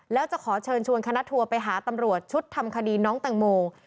แล้วจะขอเชิญชวนคณะทัวร์ไปหาตำรวจชุดทำคดีน้องแตงโม